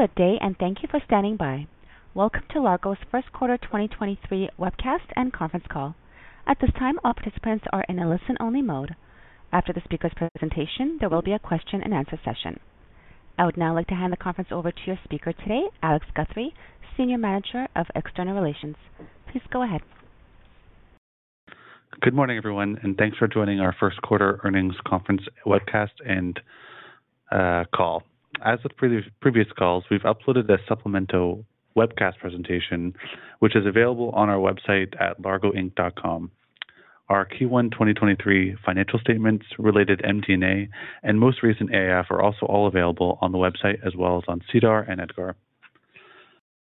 Good day, thank you for standing by. Welcome to Largo's first quarter 2023 webcast and conference call. At this time, all participants are in a listen-only mode. After the speaker's presentation, there will be a question-and-answer session. I would now like to hand the conference over to your speaker today, Alex Guthrie, Senior Manager of External Relations. Please go ahead. Good morning, everyone, thanks for joining our first quarter earnings conference webcast and call. As with previous calls, we've uploaded a supplemental webcast presentation which is available on our website at largoinc.com. Our Q1 2023 financial statements related MD&A and most recent AIF are also all available on the website as well as on SEDAR and EDGAR.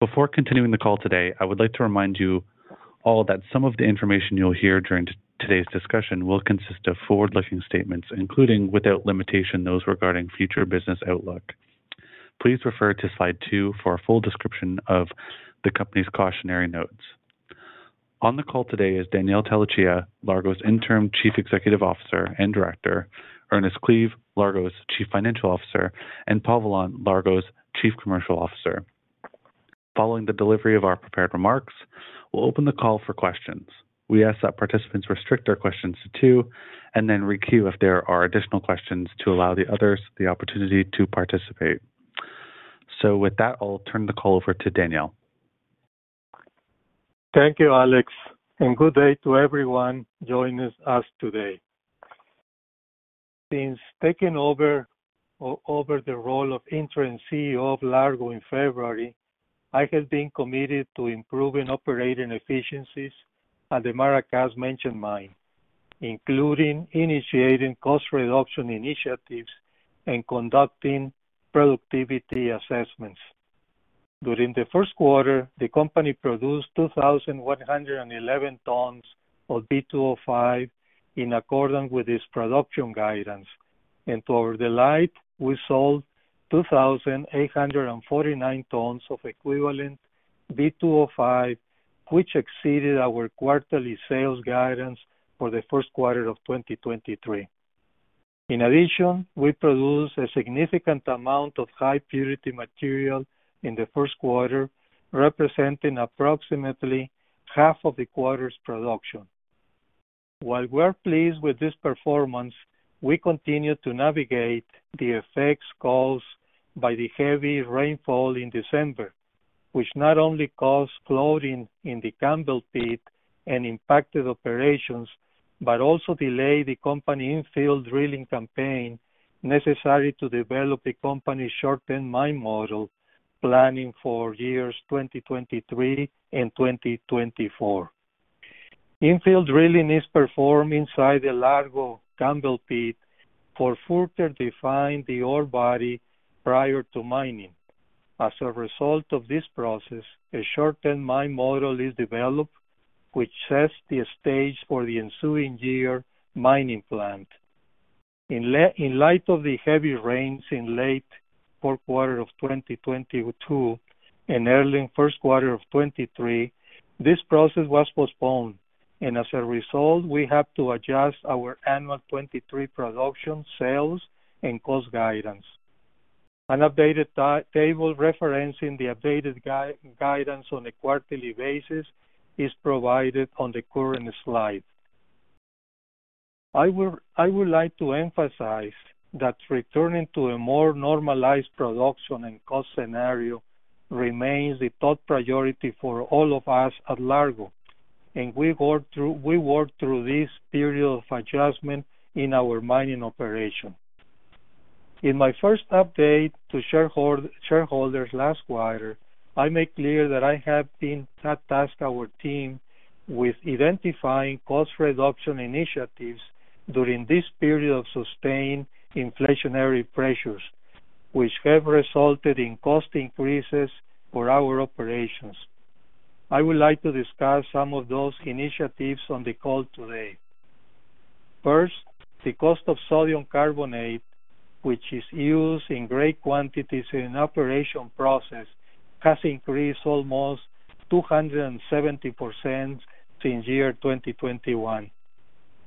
Before continuing the call today, I would like to remind you all that some of the information you'll hear during today's discussion will consist of forward-looking statements, including, without limitation, those regarding future business outlook. Please refer to slide 2 for a full description of the company's cautionary notes. On the call today is Daniel Tellechea, Largo's Interim Chief Executive Officer and Director, Ernest Cleave, Largo's Chief Financial Officer, and Paul Vollant, Largo's Chief Commercial Officer. Following the delivery of our prepared remarks, we'll open the call for questions. We ask that participants restrict their questions to two and then re-queue if there are additional questions to allow the others the opportunity to participate. With that, I'll turn the call over to Daniel. Thank you, Alex, and good day to everyone joining us today. Since taking over the role of interim CEO of Largo in February, I have been committed to improving operating efficiencies at the Maracas Mine, including initiating cost reduction initiatives and conducting productivity assessments. During the first quarter, the company produced 2,111 tons of V2O5 in accordance with its production guidance. To our delight, we sold 2,849 tons of equivalent V2O5, which exceeded our quarterly sales guidance for the first quarter of 2023. In addition, we produced a significant amount of high-purity material in the first quarter, representing approximately half of the quarter's production. While we're pleased with this performance, we continue to navigate the effects caused by the heavy rainfall in December, which not only caused flooding in the Campbell Pit and impacted operations, but also delayed the company infield drilling campaign necessary to develop the company's short-term mine model planning for years 2023 and 2024. Infield drilling is performed inside the Largo Campbell Pit to further define the ore body prior to mining. As a result of this process, a short-term mine model is developed, which sets the stage for the ensuing year mining plant. In light of the heavy rains in late fourth quarter of 2022 and early first quarter of 2023, this process was postponed. As a result, we have to adjust our annual 2023 production, sales, and cost guidance. An updated table referencing the updated guidance on a quarterly basis is provided on the current slide. I would like to emphasize that returning to a more normalized production and cost scenario remains the top priority for all of us at Largo, and we work through this period of adjustment in our mining operation. In my first update to shareholders last quarter, I made clear that I have been tasked our team with identifying cost reduction initiatives during this period of sustained inflationary pressures, which have resulted in cost increases for our operations. I would like to discuss some of those initiatives on the call today. First, the cost of sodium carbonate, which is used in great quantities in operation process, has increased almost 270% since 2021.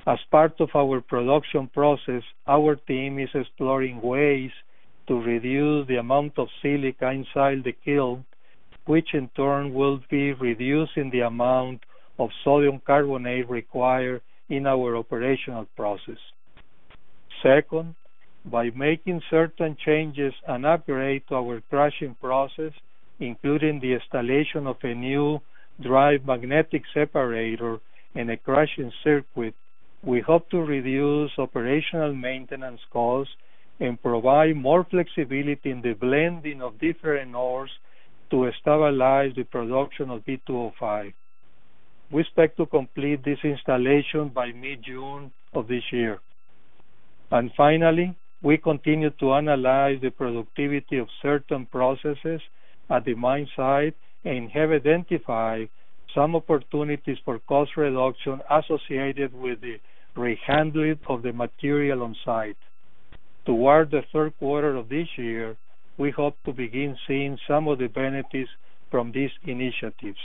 As part of our production process, our team is exploring ways to reduce the amount of silica inside the kiln, which in turn will be reducing the amount of sodium carbonate required in our operational process. Second, by making certain changes and upgrade to our crushing process, including the installation of a new dry magnetic separator in a crushing circuit, we hope to reduce operational maintenance costs and provide more flexibility in the blending of different ores to stabilize the production of V2O5. We expect to complete this installation by mid-June of this year. Finally, we continue to analyze the productivity of certain processes at the mine site and have identified some opportunities for cost reduction associated with the re-handling of the material on site. Toward the third quarter of this year, we hope to begin seeing some of the benefits from these initiatives.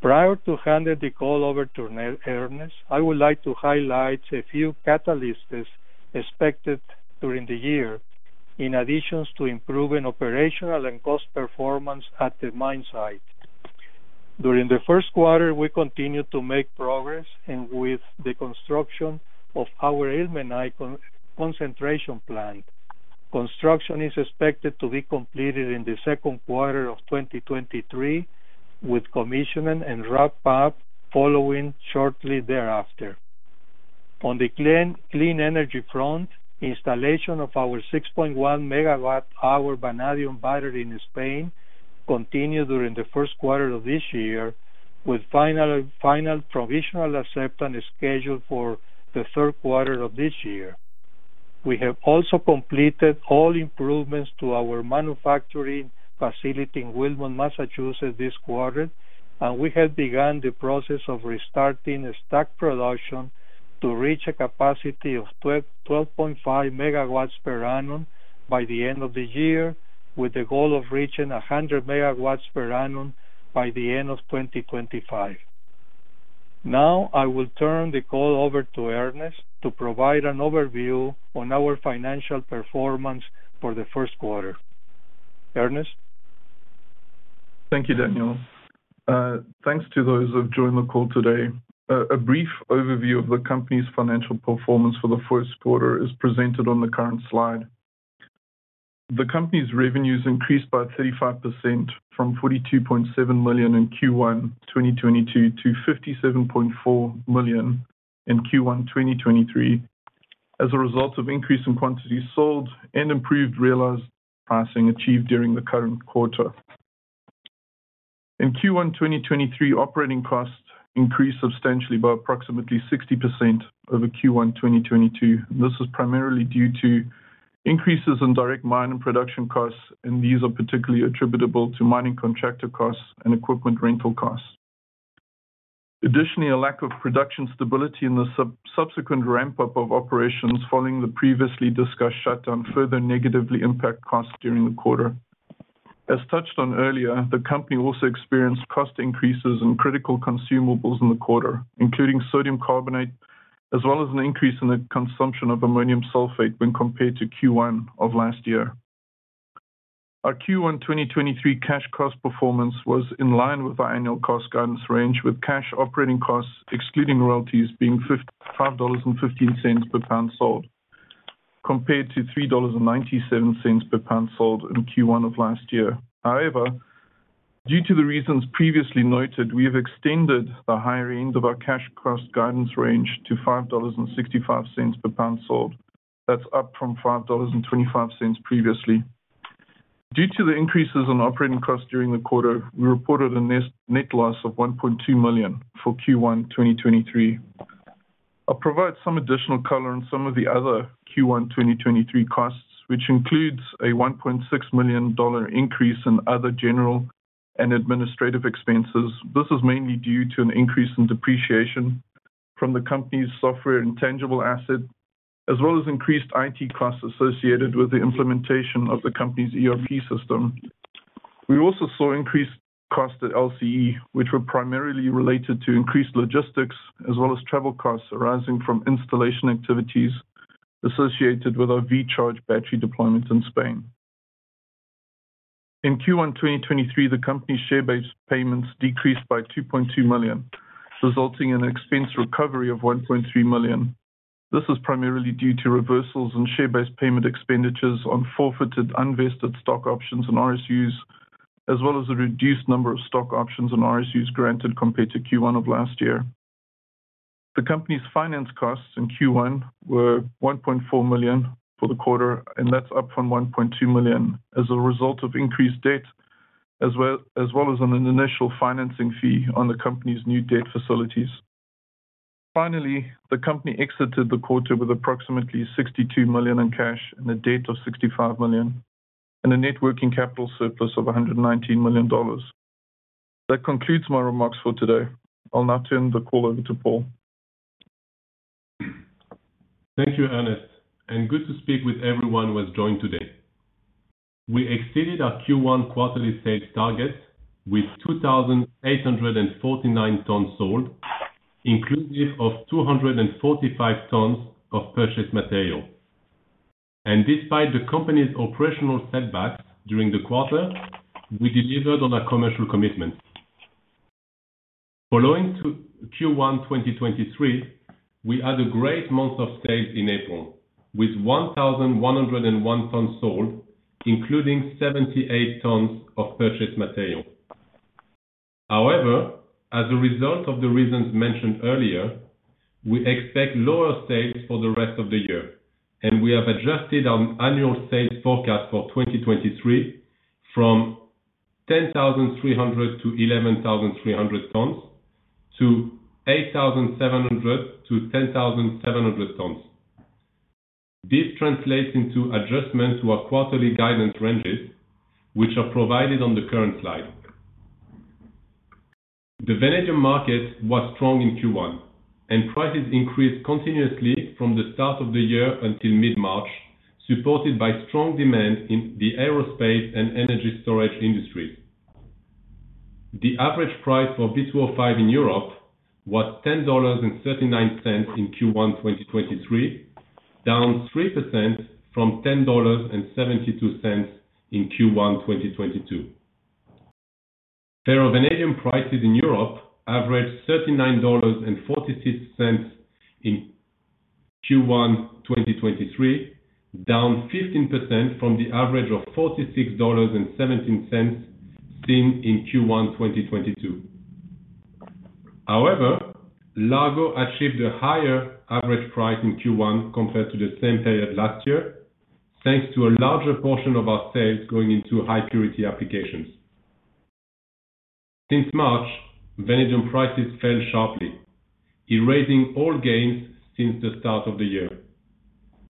Prior to handing the call over to Ernest, I would like to highlight a few catalysts expected during the year in additions to improving operational and cost performance at the mine site. During the first quarter, we continued to make progress with the construction of our ilmenite concentration plant. Construction is expected to be completed in the second quarter of 2023, with commissioning and wrap up following shortly thereafter. On the clean energy front, installation of our 6.1 MWh vanadium battery in Spain continued during the first quarter of this year, with final provisional acceptance scheduled for the third quarter of this year. We have also completed all improvements to our manufacturing facility in Wilmington, Massachusetts this quarter, and we have begun the process of restarting stock production to reach a capacity of 12.5MW per annum by the end of the year, with the goal of reaching 100MW per annum by the end of 2025. I will turn the call over to Ernest to provide an overview on our financial performance for the first quarter. Ernest? Thank you, Daniel. Thanks to those who have joined the call today. A brief overview of the company's financial performance for the first quarter is presented on the current slide. The company's revenues increased by 35% from $42.7 million in Q1 2022 to $57.4 million in Q1 2023 as a result of increase in quantity sold and improved realized pricing achieved during the current quarter. In Q1 2023, operating costs increased substantially by approximately 60% over Q1 2022. This is primarily due to increases in direct mine and production costs, and these are particularly attributable to mining contractor costs and equipment rental costs. Additionally, a lack of production stability and the subsequent ramp up of operations following the previously discussed shutdown further negatively impact costs during the quarter. As touched on earlier, the company also experienced cost increases in critical consumables in the quarter, including sodium carbonate, as well as an increase in the consumption of ammonium sulfate when compared to Q1 of last year. Our Q1 2023 cash cost performance was in line with our annual cost guidance range, with cash operating costs excluding royalties being $55.15 per pound sold, compared to $3.97 per pound sold in Q1 of last year. Due to the reasons previously noted, we have extended the higher end of our cash cost guidance range to $5.65 per pound sold. That's up from $5.25 previously. Due to the increases in operating costs during the quarter, we reported a net loss of $1.2 million for Q1 2023. I'll provide some additional color on some of the other Q1 2023 costs, which includes a $1.6 million increase in other general and administrative expenses. This is mainly due to an increase in depreciation from the company's software intangible asset, as well as increased IT costs associated with the implementation of the company's ERP system. We also saw increased costs at LCE, which were primarily related to increased logistics as well as travel costs arising from installation activities associated with our VCHARGE battery deployment in Spain. In Q1 2023, the company's share-based payments decreased by $2.2 million, resulting in an expense recovery of $1.3 million. This is primarily due to reversals in share-based payment expenditures on forfeited unvested stock options and RSUs, as well as a reduced number of stock options and RSUs granted compared to Q1 of last year. The company's finance costs in Q1 were $1.4 million for the quarter. That's up from $1.2 million as a result of increased debt, as well as an initial financing fee on the company's new debt facilities. Finally, the company exited the quarter with approximately $62 million in cash and a debt of $65 million and a net working capital surplus of $119 million. That concludes my remarks for today. I'll now turn the call over to Paul. Thank you, Ernest, and good to speak with everyone who has joined today. We exceeded our Q1 quarterly sales target with 2,849 tons sold, inclusive of 245 tons of purchased material. Despite the company's operational setbacks during the quarter, we delivered on our commercial commitments. Following to Q1, 2023, we had a great month of sales in April, with 1,101 tons sold, including 78 tons of purchased material. However, as a result of the reasons mentioned earlier, we expect lower sales for the rest of the year, and we have adjusted our annual sales forecast for 2023 from 10,300 tons-11,300 tons to 8,700 tons-10,700 tons. This translates into adjustments to our quarterly guidance ranges, which are provided on the current slide. The vanadium market was strong in Q1, prices increased continuously from the start of the year until mid-March. Supported by strong demand in the aerospace and energy storage industries. The average price for V2O5 in Europe was $10.39 in Q1 2023, down 3% from $10.72 in Q1 2022. Ferrovanadium prices in Europe averaged $39.46 in Q1 2023, down 15% from the average of $46.17 seen in Q1 2022. Largo achieved a higher average price in Q1 compared to the same period last year, thanks to a larger portion of our sales going into high purity applications. Since March, vanadium prices fell sharply, erasing all gains since the start of the year.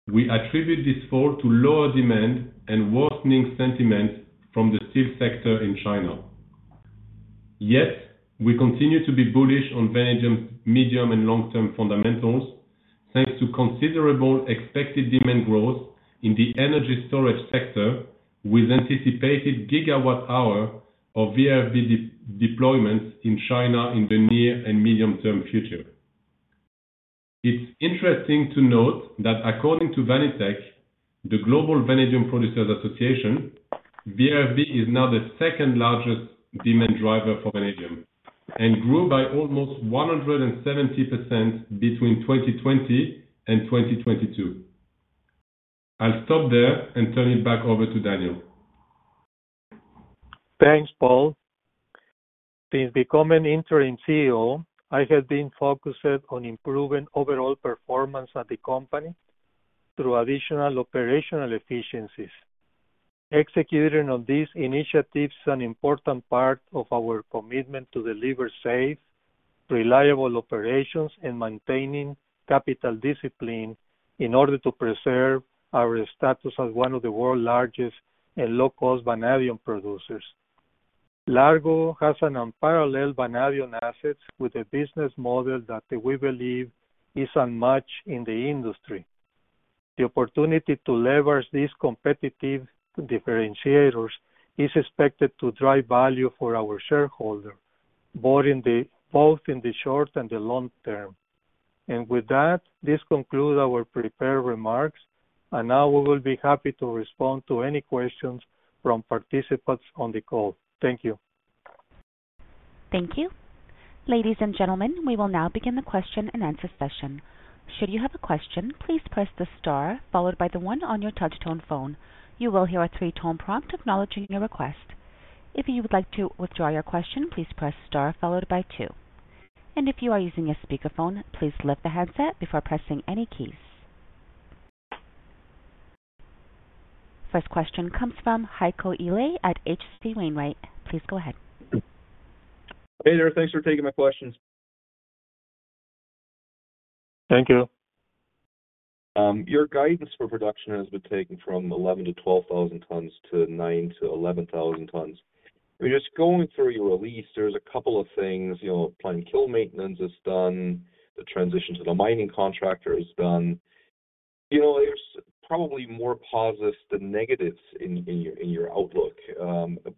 We attribute this fall to lower demand and worsening sentiment from the steel sector in China. We continue to be bullish on vanadium medium and long-term fundamentals, thanks to considerable expected demand growth in the energy storage sector, with anticipated gigawatt hour of VFB deployments in China in the near and medium-term future. It's interesting to note that according to Vanitec, the Global Vanadium Producers Association, VFB is now the second largest demand driver for vanadium and grew by almost 170% between 2020 and 2022. I'll stop there and turn it back over to Daniel. Thanks, Paul. Since becoming interim CEO, I have been focused on improving overall performance at the company through additional operational efficiencies. Executing on these initiatives is an important part of our commitment to deliver safe, reliable operations and maintaining capital discipline in order to preserve our status as one of the world's largest and low-cost vanadium producers. Largo has an unparalleled vanadium assets with a business model that we believe is unmatched in the industry. The opportunity to leverage these competitive differentiators is expected to drive value for our shareholders, both in the short and the long term. With that, this concludes our prepared remarks, and now we will be happy to respond to any questions from participants on the call. Thank you. Thank you. Ladies and gentlemen, we will now begin the question-and-answer session. Should you have a question, please press the star followed by the 1 on your touch tone phone. You will hear a 3-tone prompt acknowledging your request. If you would like to withdraw your question, please press star followed by two. If you are using a speakerphone, please lift the handset before pressing any keys. First question comes from Heiko Ihle at H.C. Wainwright. Please go ahead. Hey there. Thanks for taking my questions. Thank you. Your guidance for production has been taken from 11,000 tons-12,000 tons to 9,000 tons-11,000 tons. I mean, just going through your release, there's a couple of things. You know, planned kiln maintenance is done. The transition to the mining contractor is done. You know, there's probably more positives than negatives in your outlook.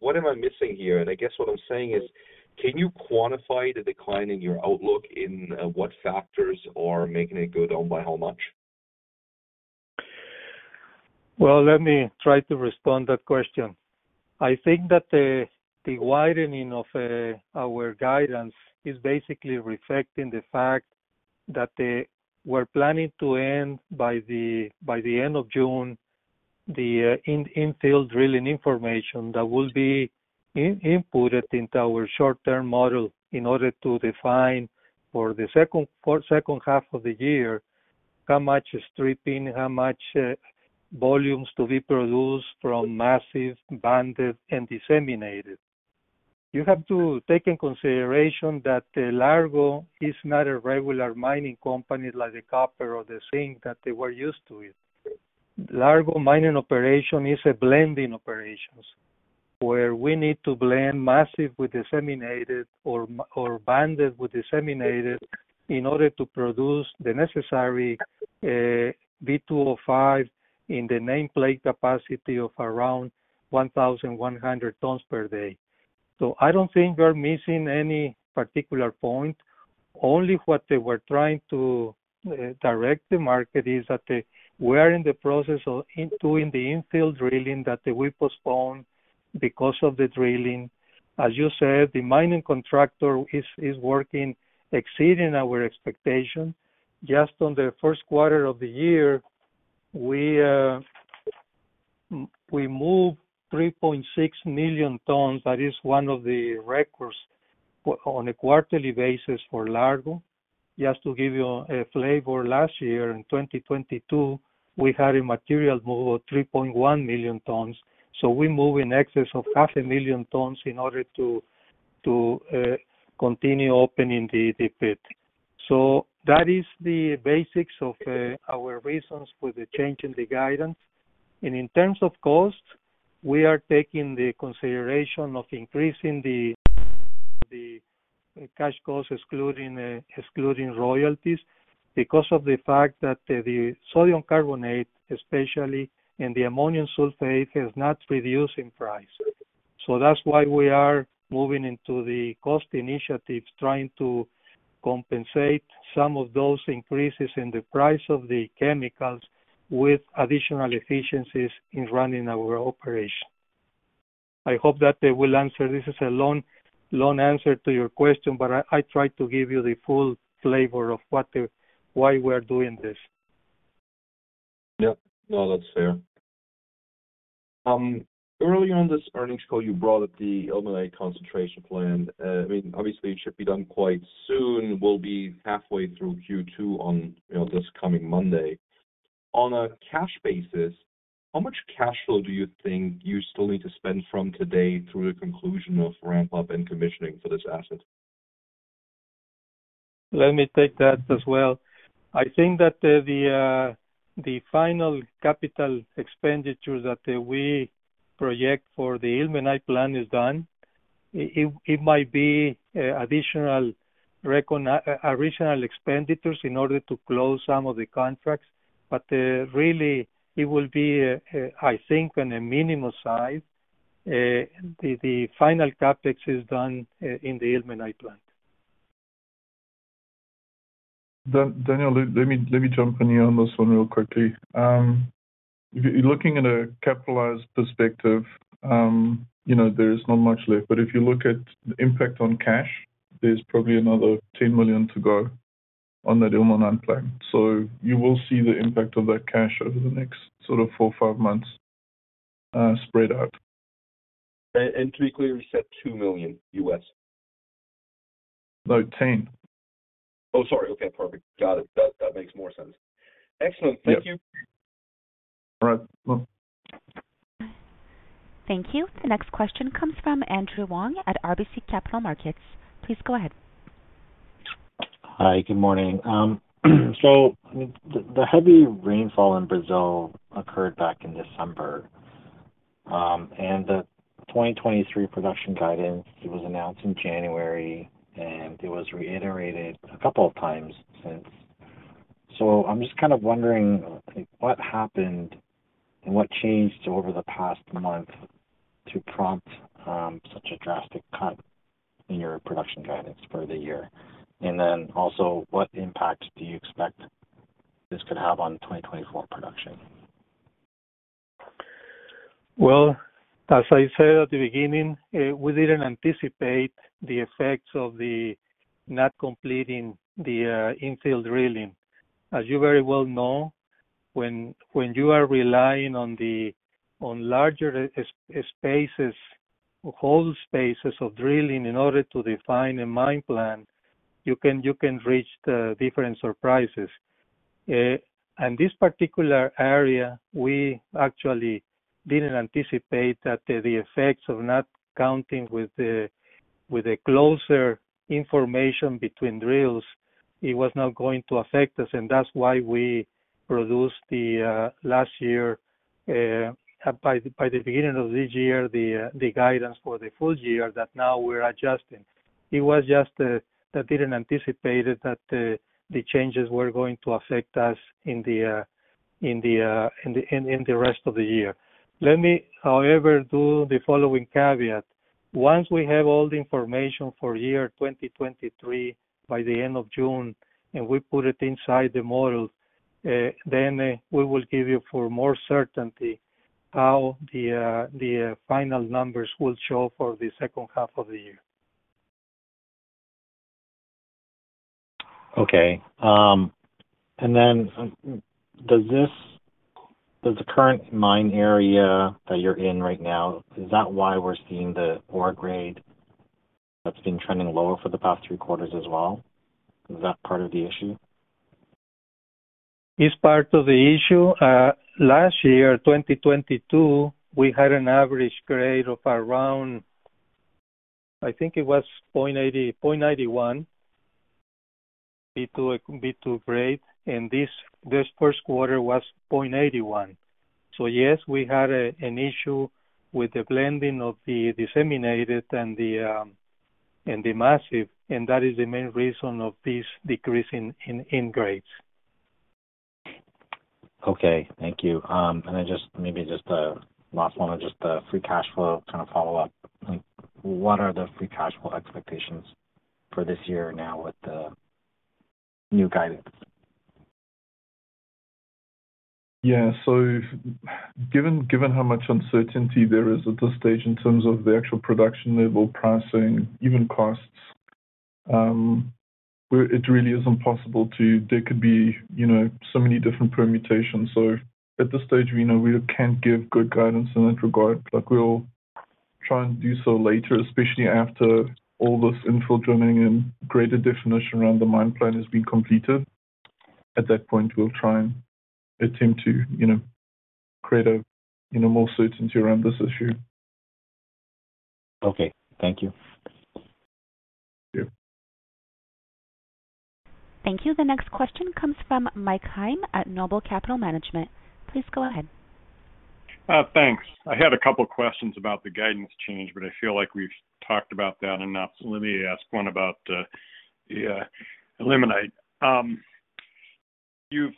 What am I missing here? I guess what I'm saying is, can you quantify the decline in your outlook in what factors are making it go down by how much? Well, let me try to respond that question. I think that the widening of our guidance is basically reflecting the fact that they were planning to end by the end of June, the infield drilling information that will be inputted into our short-term model in order to define for the second half of the year how much stripping, how much volumes to be produced from massive, banded and disseminated. You have to take in consideration that Largo is not a regular mining company like the Copper or the Zinc that they were used to it. Largo mining operation is a blending operations where we need to blend massive with disseminated or banded with disseminated in order to produce the necessary V2O5 in the nameplate capacity of around 1,100 tons per day. I don't think you're missing any particular point. Only what they were trying to direct the market is that we are in the process of doing the infill drilling that we postponed because of the drilling. As you said, the mining contractor is working exceeding our expectation. Just on the first quarter of the year, we moved 3.6 million tons. That is one of the records on a quarterly basis for Largo. Just to give you a flavor, last year in 2022, we had a material move of 3.1 million tons. We move in excess of 500,000 tons in order to continue opening the pit. That is the basics of our reasons for the change in the guidance. In terms of cost, we are taking the consideration of increasing the cash cost excluding excluding royalties because of the fact that the Sodium Carbonate, especially, and the ammonium sulfate has not reduced in price. That's why we are moving into the cost initiatives, trying to compensate some of those increases in the price of the chemicals with additional efficiencies in running our operation. I hope that will answer. This is a long answer to your question, I tried to give you the full flavor of why we're doing this. Yeah. No, that's fair. Early on this earnings call, you brought up the ilmenite concentration plan. I mean, obviously, it should be done quite soon. We'll be halfway through Q-two on, you know, this coming Monday. On a cash basis, how much cash flow do you think you still need to spend from today through the conclusion of ramp up and commissioning for this asset? Let me take that as well. I think that the final capital expenditure that we project for the ilmenite plant is done. It might be additional expenditures in order to close some of the contracts, but really it will be, I think on a minimal size, the final CapEx is done in the ilmenite plant. Daniel, let me jump in here on this one real quickly. If you're looking at a capitalized perspective, you know, there is not much left. If you look at the impact on cash, there's probably another $10 million to go on that ilmenite plan. You will see the impact of that cash over the next sort of four or five months, spread out. To be clear, you said $2 million? No, $10 million. Oh, sorry. Okay, perfect. Got it. That makes more sense. Excellent. Yeah. Thank you. All right. Bye. Thank you. The next question comes from Andrew Wong at RBC Capital Markets. Please go ahead. Hi, good morning. I mean, the heavy rainfall in Brazil occurred back in December. The 2023 production guidance, it was announced in January, and it was reiterated a couple of times since. I'm just kind of wondering, like, what happened and what changed over the past month to prompt such a drastic cut in your production guidance for the year? What impact do you expect this could have on 2024 production? Well, as I said at the beginning, we didn't anticipate the effects of the not completing the infill drilling. As you very well know, when you are relying on the larger spaces, hole spaces of drilling in order to define a mine plan, you can reach the different surprises. This particular area, we actually didn't anticipate that the effects of not counting with the closer information between drills, it was not going to affect us. That's why we produced the last year, by the beginning of this year, the guidance for the full year that now we're adjusting. It was just that didn't anticipate it that the changes were going to affect us in the rest of the year. Let me, however, do the following caveat. Once we have all the information for year 2023 by the end of June, and we put it inside the model, then we will give you for more certainty how the final numbers will show for the second half of the year. Okay. Does the current mine area that you're in right now, is that why we're seeing the ore grade that's been trending lower for the past three quarters as well? Is that part of the issue? It's part of the issue. Last year, 2022, we had an average grade of around, I think it was 0.91 V2O5 grade. This first quarter was 0.81. Yes, we had an issue with the blending of the disseminated and the massive, and that is the main reason of this decrease in grades. Okay. Thank you. Just maybe just a last one on just the free cash flow kind of follow-up. Like, what are the free cash flow expectations for this year now with the new guidance? Given how much uncertainty there is at this stage in terms of the actual production level, pricing, even costs, it really is impossible. There could be, you know, so many different permutations. At this stage, we know we can't give good guidance in that regard. We'll try and do so later, especially after all this infill drilling and greater definition around the mine plan has been completed. At that point, we'll try and attempt to, you know, create a, you know, more certainty around this issue. Okay. Thank you. Yeah. Thank you. The next question comes from Michael Heim at Noble Capital Markets. Please go ahead. Thanks. I had a couple questions about the guidance change, but I feel like we've talked about that enough, so let me ask one about the ilmenite. You've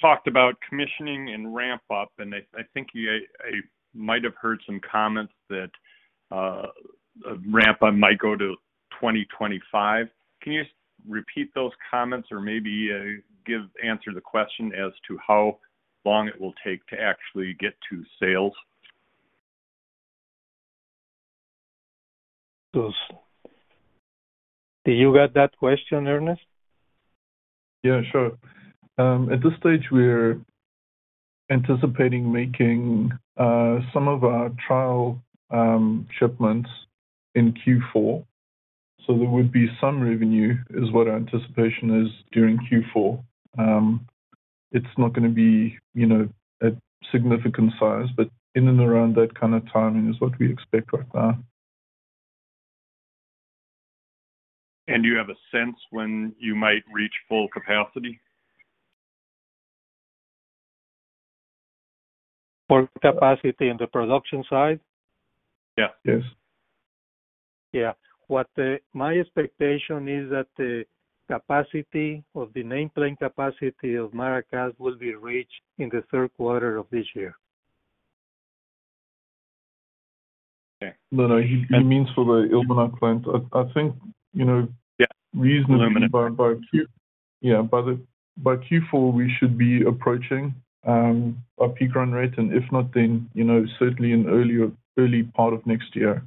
talked about commissioning and ramp up, and I think I might have heard some comments that a ramp up might go to 2025. Can you repeat those comments or maybe answer the question as to how long it will take to actually get to sales? Did you get that question, Ernest? Yeah, sure. At this stage, we're anticipating making some of our trial shipments in Q4. There would be some revenue is what our anticipation is during Q4. It's not gonna be, you know, a significant size, but in and around that kind of timing is what we expect right now. Do you have a sense when you might reach full capacity? Full capacity in the production side? Yeah. Yes. Yeah. What, my expectation is that the capacity of the nameplate capacity of Maracas will be reached in the third quarter of this year. Okay. No, no. He means for the ilmenite plant. I think, you know... Yeah. Reasonably by. ilmenite. Yeah. By Q4, we should be approaching our peak run rate. If not, then, you know, certainly in early part of next year.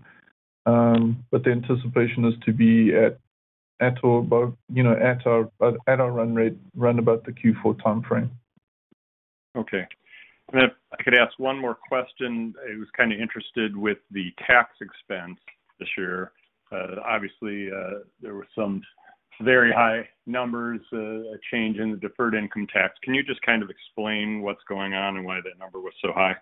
The anticipation is to be at or above, you know, at our run rate, round about the Q4 timeframe. Okay. If I could ask one more question. I was kinda interested with the tax expense this year. Obviously, there was some very high numbers, a change in the deferred income tax. Can you just kind of explain what's going on and why that number was so high?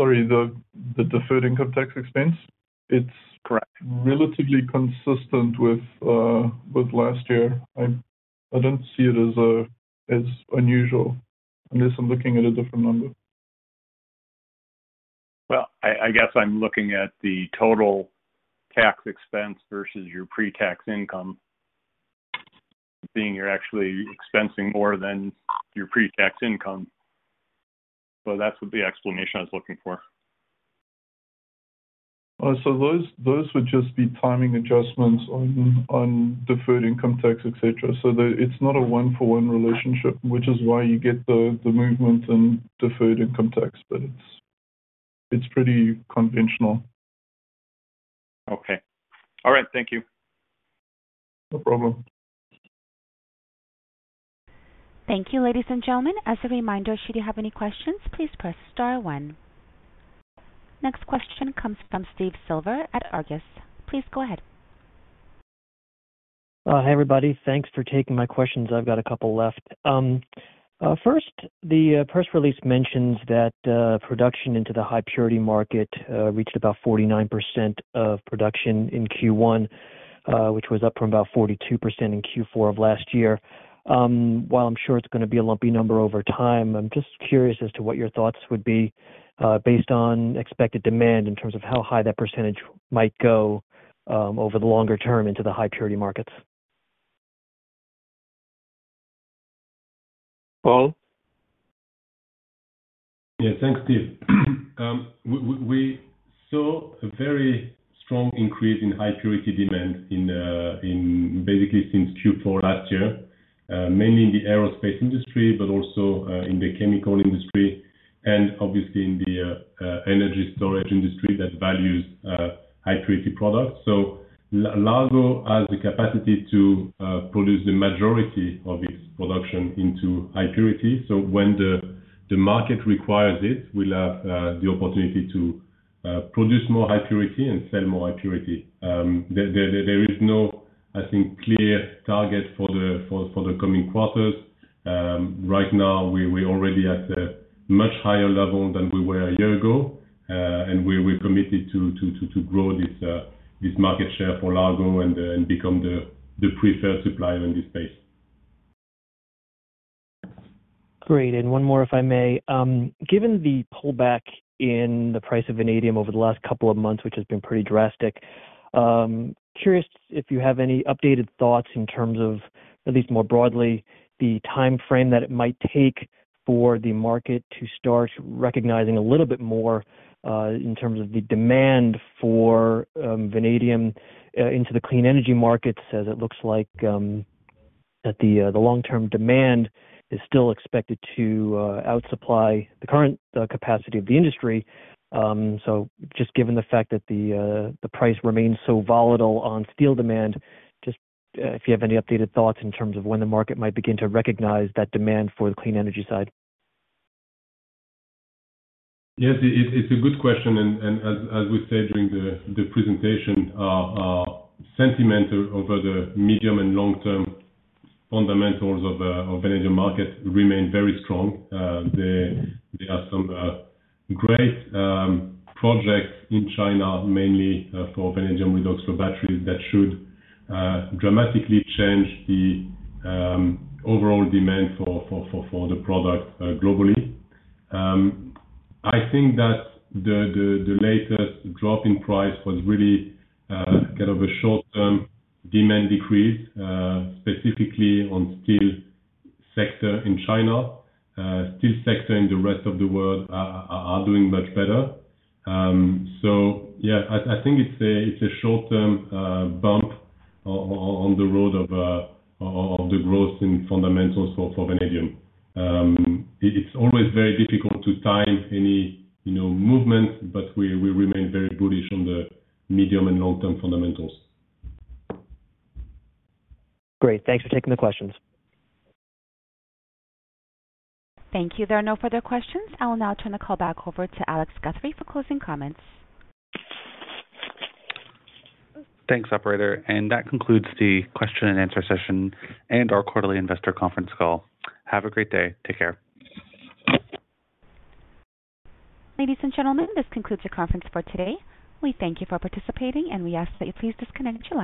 Sorry, the deferred income tax expense? Correct. relatively consistent with last year. I don't see it as unusual, unless I'm looking at a different number. Well, I guess I'm looking at the total tax expense versus your pre-tax income, being you're actually expensing more than your pre-tax income. That's the explanation I was looking for. Those would just be timing adjustments on deferred income tax, et cetera. It's not a one-for-one relationship, which is why you get the movement in deferred income tax, but it's pretty conventional. Okay. All right, thank you. No problem. Thank you. Ladies and gentlemen, as a reminder, should you have any questions, please press star one. Next question comes from Steve Silver at Argus. Please go ahead. Hi, everybody. Thanks for taking my questions. I've got a couple left. First, the press release mentions that production into the high purity market reached about 49% of production in Q1, which was up from about 42% in Q4 of last year. While I'm sure it's gonna be a lumpy number over time, I'm just curious as to what your thoughts would be, based on expected demand in terms of how high that percentage might go over the longer term into the high purity markets. Paul? Yeah. Thanks, Steve. We saw a very strong increase in high purity demand in basically since Q4 last year, mainly in the aerospace industry, but also in the chemical industry and obviously in the energy storage industry that values high purity products. Largo has the capacity to produce the majority of its production into high purity. When the market requires it, we'll have the opportunity to produce more high purity and sell more high purity. There is no, I think, clear target for the coming quarters. Right now we already at a much higher level than we were a year ago, and we're committed to grow this market share for Largo and become the preferred supplier in this space. Great. One more, if I may. Given the pullback in the price of vanadium over the last couple of months, which has been pretty drastic, curious if you have any updated thoughts in terms of at least more broadly, the timeframe that it might take for the market to start recognizing a little bit more in terms of the demand for vanadium into the clean energy markets as it looks like that the long-term demand is still expected to out-supply the current capacity of the industry. Just given the fact that the price remains so volatile on steel demand, just if you have any updated thoughts in terms of when the market might begin to recognize that demand for the clean energy side? Yes, it's a good question and as we said during the presentation, sentiment over the medium and long-term fundamentals of vanadium market remain very strong. There are some great projects in China, mainly for vanadium redox flow batteries that should dramatically change the overall demand for the product globally. I think that the latest drop in price was really kind of a short-term demand decrease, specifically on steel sector in China. Steel sector in the rest of the world are doing much better. Yeah, I think it's a short-term bump on the road of the growth in fundamentals for vanadium. It's always very difficult to time any, you know, movement, but we remain very bullish on the medium and long-term fundamentals. Great. Thanks for taking the questions. Thank you. There are no further questions. I will now turn the call back over to Alex Guthrie for closing comments. Thanks, operator. That concludes the question and answer session and our quarterly investor conference call. Have a great day. Take care. Ladies and gentlemen, this concludes your conference for today. We thank you for participating, and we ask that you please disconnect your lines.